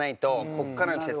ここからの季節。